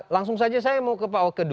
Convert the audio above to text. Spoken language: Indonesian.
langsung saja saya mau ke pak